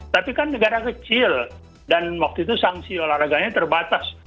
tapi kan negara kecil dan waktu itu sanksi olahraganya terbatas